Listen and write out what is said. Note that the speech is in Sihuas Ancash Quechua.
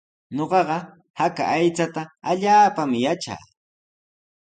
Ñuqaqa haka aychata allaapaami yatraa.